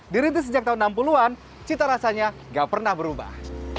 dirintis sejak tahun enam puluh an cita rasanya gak pernah berubah